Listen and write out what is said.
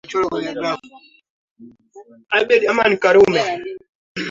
Viwango vya ugonjwa huu vinaenea kwa kasi sana.